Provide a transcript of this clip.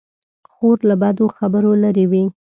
خور له بدو خبرو لیرې وي.